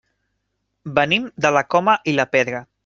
Venim de la Coma i la Pedra.